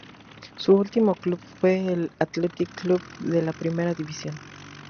Su último club fue el Athletic Club de la Primera División.